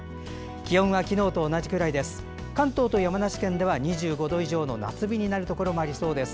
気温は昨日と同じくらいです。